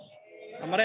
頑張れ！